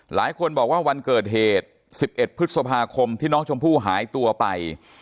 หลายคนบอกว่าวันเกิดเหตุ๑๑พฤษภาคมที่น้องชมพู่หายตัวไป